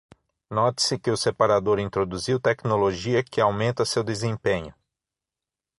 Note-se que o separador introduziu tecnologia que aumenta seu desempenho.